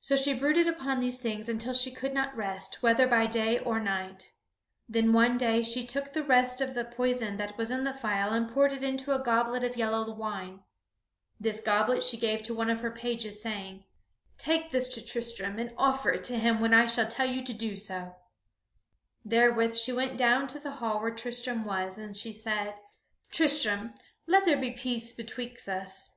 So she brooded upon these things until she could not rest, whether by day or night. Then one day she took the rest of the poison that was in the phial and poured it into a goblet of yellow wine. This goblet she gave to one of her pages, saying: "Take this to Tristram, and offer it to him when I shall tell you to do so!" [Sidenote: The Lady Moeya seeks Tristram's life a second time] Therewith she went down to the hall where Tristram was, and she said, "Tristram, let there be peace betwixt us."